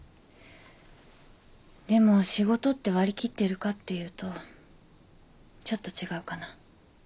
でも仕事って割り切ってるかっていうとちょっと違うかな。